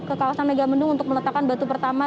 ke kawasan megamendung untuk meletakkan batu pertama